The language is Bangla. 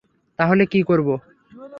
তাহলে কী করব?